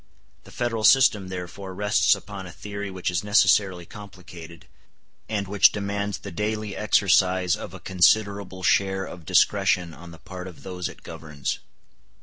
The Federal system therefore rests upon a theory which is necessarily complicated, and which demands the daily exercise of a considerable share of discretion on the part of those it governs.